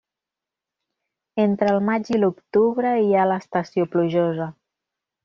Entre el maig i l'octubre hi ha l'estació plujosa.